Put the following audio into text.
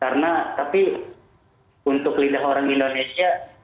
karena tapi untuk lidah orang indonesia